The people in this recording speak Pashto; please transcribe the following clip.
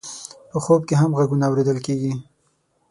په خوب کې هم غږونه اورېدل کېږي.